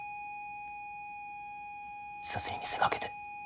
自殺に見せかけて。